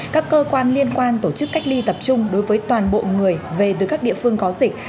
các cơ quan liên quan tổ chức cách ly tập trung đối với toàn bộ người về từ các địa phương có dịch